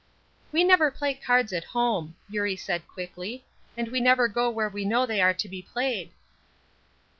"We never play cards at home," Eurie said, quickly, "and we never go where we know they are to be played."